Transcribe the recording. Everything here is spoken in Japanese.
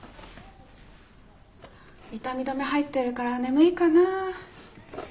痛み止め入ってるから眠いかな。